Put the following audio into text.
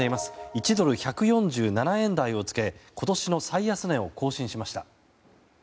１ドル＝１４７円台をつけ今年の最安値を更新しました。